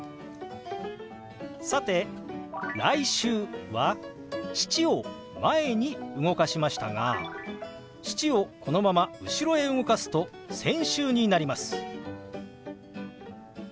さて「来週」は「７」を前に動かしましたが「７」をこのまま後ろへ動かすと「先週」になります。